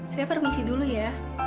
saya permisi dulu ya